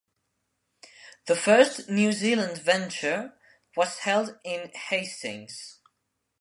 The first New Zealand venture was held in Hastings.